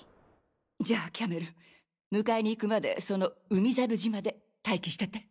じゃあキャメル迎えに行くまでその海猿島で待機してて。